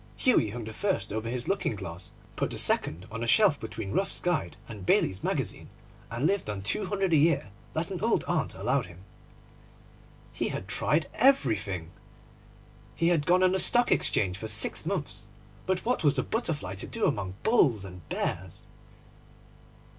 Hughie hung the first over his looking glass, put the second on a shelf between Ruff's Guide and Bailey's Magazine, and lived on two hundred a year that an old aunt allowed him. He had tried everything. He had gone on the Stock Exchange for six months; but what was a butterfly to do among bulls and bears?